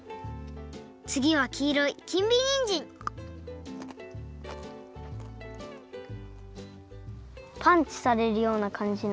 つぎはきいろい金美にんじんパンチされるようなかんじの。